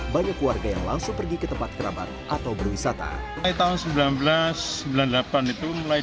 banyak warga yang langsung pergi ke tempat kerabat atau berwisata mulai tahun seribu sembilan ratus sembilan puluh delapan itu mulai